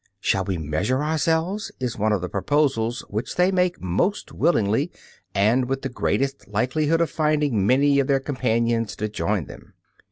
"Shall we measure ourselves?" is one of the proposals which they make most willingly and with the greatest likelihood of finding many of their companions to join them.